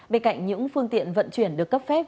bên cạnh những phương tiện vận chuyển được cấp phép